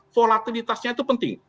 volatilitasnya itu penting